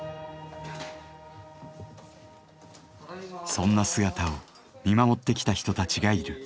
そんな姿を見守ってきた人たちがいる。